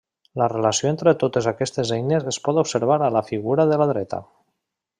La relació entre totes aquestes eines es pot observar a la figura de la dreta.